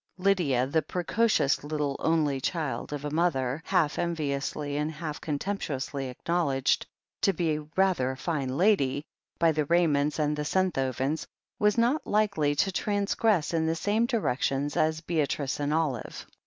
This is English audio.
Lydia, the precocious little only child of a mother half enviously and half contemptuously acknowledged to be "rather a fine lady" by the Raymonds and the Senthovens, was not likely to transgress in the same directions as Beatrice and Olive.